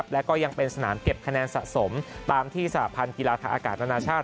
และก็ยังเป็นสนามเก็บคะแนนสะสมตามที่สหพันธ์กีฬาทางอากาศนานาชาติ